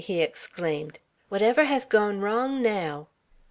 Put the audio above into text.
he exclaimed. "What ever hez gone wrong naow?"